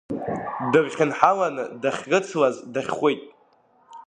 Дырхьынҳаланы дахьрыцлаз дахьхәит.